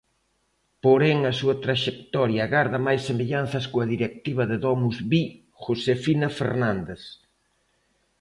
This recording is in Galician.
Porén, a súa traxectoria garda máis semellanzas coa directiva de DomusVi, Josefina Fernández.